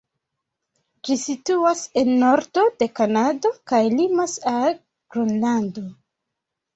Ĝi situas en nordo de Kanado kaj limas al Gronlando.